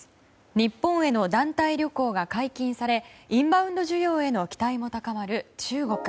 日本への団体旅行が解禁されインバウンド需要への期待も高まる中国。